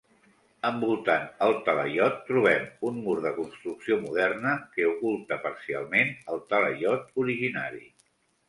Envoltant el talaiot, trobem un mur de construcció moderna que oculta parcialment el talaiot originari.